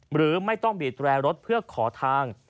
หรือไม่ต้องบีดแร่รถเพื่อขอทาง